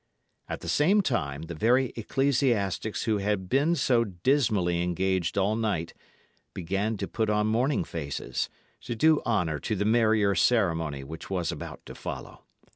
At the same time, the very ecclesiastics who had been so dismally engaged all night began to put on morning faces, to do honour to the merrier ceremony which was about to follow.